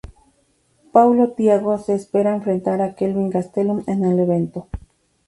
Paulo Thiago se esperaba enfrentar a Kelvin Gastelum en el evento.